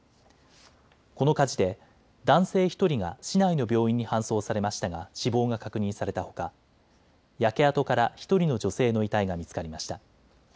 この火事で男性１人が市内の病院に搬送されましたが死亡が確認されたほか焼け跡から１人の女性の遺体が見つかりました。